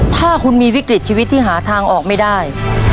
ถ้าคุณมีวิกฤตชีวิตที่หาทางออกไม่ได้